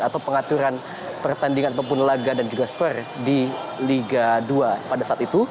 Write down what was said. atau pengaturan pertandingan pembenelaga dan juga spur di liga dua pada saat itu